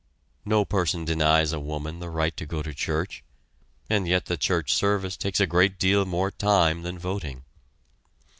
No person denies a woman the right to go to church, and yet the church service takes a great deal more time than voting.